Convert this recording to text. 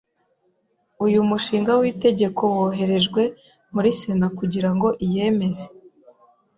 Uyu mushinga w'itegeko woherejwe muri Sena kugira ngo iyemeze.